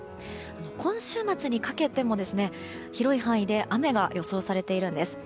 今週末にかけても広い範囲で雨が予想されているんです。